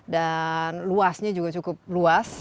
dan luasnya juga cukup luas